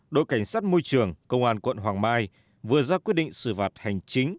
đội cảnh sát môi trường công an quận hoàng mai vừa ra quyết định xử phạt hành chính